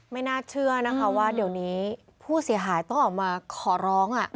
ไม่น่าเชื่อนะคะว่าเดี๋ยวนี้ผู้เสียหายต้องออกมาขอร้อง